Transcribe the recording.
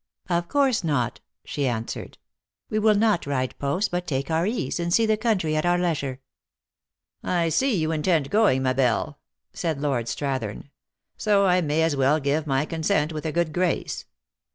" Of course not," she answered. " We w r ill not ride post, but take our ease, and see the country at our leisure." "I see you intend going, ma belle" said Lord Strathern; "so I may as well give my consent with a good grace.